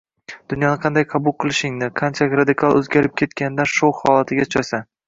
Dunyoni qanday qabul qilishingni, qanchalik radikal o‘zgarib ketganidan shok holatiga tushasan.